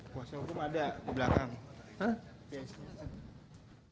kuasa hukum ada di belakang